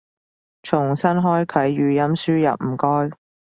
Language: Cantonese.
重新開啟語音輸入唔該